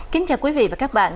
kính chào quý vị và các bạn